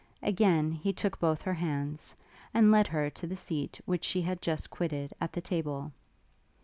Again he took both her hands, and led her to the seat which she had just quitted at the table.